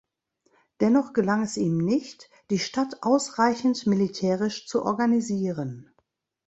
Dennoch gelang es ihm nicht, die Stadt ausreichend militärisch zu organisieren.